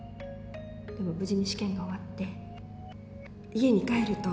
でも無事に試験が終わって家に帰ると。